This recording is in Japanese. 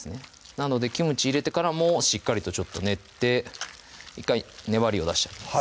なのでキムチ入れてからもしっかりと練って１回粘りを出しておきます